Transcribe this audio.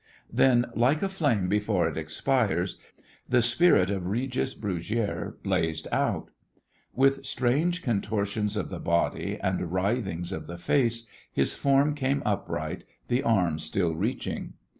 Then, like a flame before it expires, the spirit of Regis Brugiere blazed out. With strange contortions of the body and writhings of the face his form came upright, the arm still reaching.